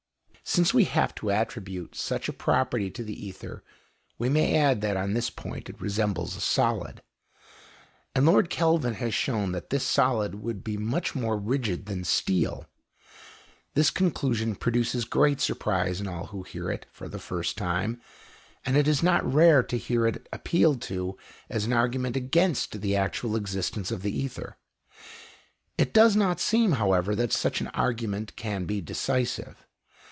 Since we have to attribute such a property to the ether, we may add that on this point it resembles a solid, and Lord Kelvin has shown that this solid, would be much more rigid than steel. This conclusion produces great surprise in all who hear it for the first time, and it is not rare to hear it appealed to as an argument against the actual existence of the ether. It does not seem, however, that such an argument can be decisive.